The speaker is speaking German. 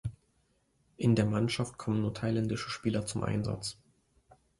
In der Mannschaft kommen nur thailändische Spieler zum Einsatz.